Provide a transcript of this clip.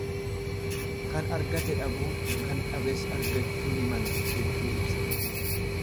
Kan argate dhabuu, kan dhabes argachuu ni mala jechuu ibsa.